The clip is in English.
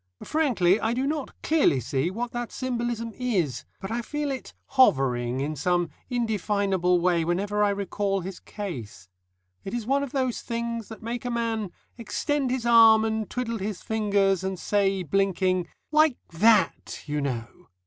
Frankly, I do not clearly see what that symbolism is, but I feel it hovering in some indefinable way whenever I recall his case. It is one of those things that make a man extend his arm and twiddle his fingers, and say, blinking, "Like that, you know."